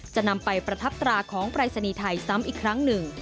จะนำไปประทับตราของปรายศนีย์ไทยซ้ำอีกครั้งหนึ่ง